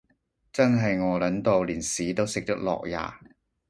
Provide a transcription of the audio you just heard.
真係餓 𨶙 到連屎都食得落呀